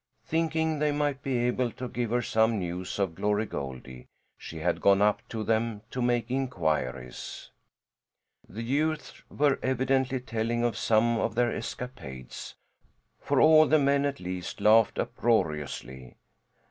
Thinking they might be able to give her some news of Glory Goldie, she had gone up to them to make inquiries. The youths were evidently telling of some of their escapades, for all the men, at least, laughed uproariously.